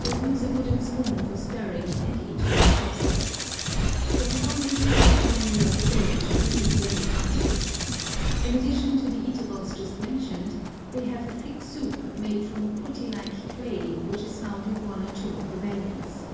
They use a wooden spoon for stirring, and eat with chopsticks. They have only two regular meals a day, but eat very heartily. In addition to the eatables just mentioned they have a thick soup made from a putty like clay which is found in one or two of the valleys.